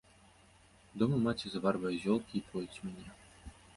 Дома маці заварвае зёлкі і поіць мяне.